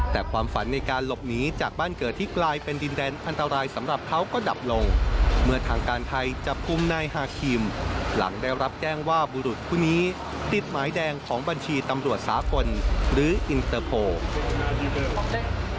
แต่ความฝันในการหลบหนีจากบ้านเกิดที่กลายเป็นดินแดนอันตรายสำหรับเขาก็ดับลงเมื่อทางการไทยจับกลุ่มนายฮาคิมหลังได้รับแจ้งว่าบุรุษผู้นี้ติดหมายแดงของบัญชีตำรวจสากลหรืออินเตอร์โพล